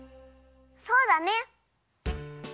そうだね。